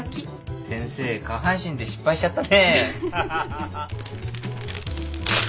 先生下半身で失敗しちゃったね。